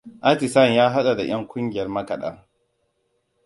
Atisayen ya haɗa da ƴan ƙungiyar makaɗa.